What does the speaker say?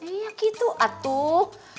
iya gitu atuh